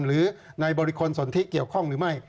หรือในบริคลสนทิเกี่ยวข้องหรือไม่